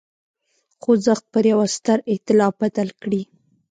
خوځښت پر یوه ستر اېتلاف بدل کړي.